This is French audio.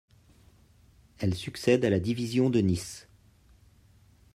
Elle succède à la division de Nice.